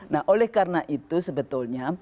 nah oleh karena itu sebetulnya